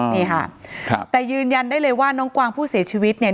นี่ค่ะครับแต่ยืนยันได้เลยว่าน้องกวางผู้เสียชีวิตเนี่ย